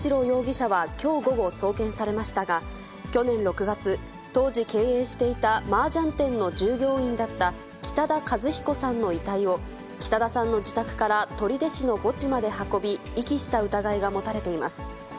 容疑者はきょう午後、送検されましたが、去年６月、当時経営していたマージャン店の従業員だった北田和彦さんの遺体を、北田さんの自宅から取手市の墓地まで運び、遺棄した疑いが持たれています。